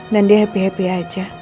dia happy happy aja